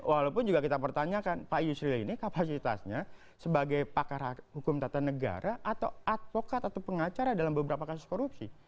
walaupun juga kita pertanyakan pak yusril ini kapasitasnya sebagai pakar hukum tata negara atau advokat atau pengacara dalam beberapa kasus korupsi